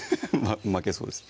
負けそうです